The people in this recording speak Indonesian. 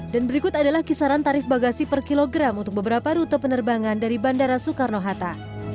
dan berikut adalah kisaran tarif bagasi per kilogram untuk beberapa rute penerbangan dari bandara soekarno hatta